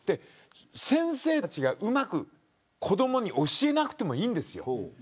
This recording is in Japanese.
先生たちが、うまく子どもに教えなくてもいいんです。